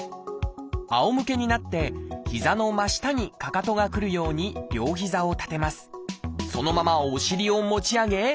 仰向けになって膝の真下にかかとがくるように両膝を立てます。